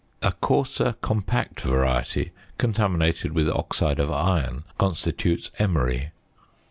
A coarser compact variety contaminated with oxide of iron constitutes emery.